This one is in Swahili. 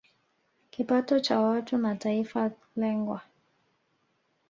kipato cha watu na taifa lengwa